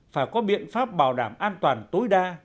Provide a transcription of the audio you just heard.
phải có biện pháp bảo đảm an toàn tối đa